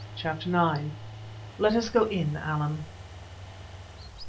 CHAPTER IX. "LET US GO IN, ALLAN!"